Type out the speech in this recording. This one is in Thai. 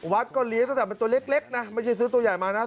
วัดก็เลี้ยงตั้งแต่เป็นตัวเล็กเล็กนะไม่ใช่ซื้อตัวใหญ่มานะครับ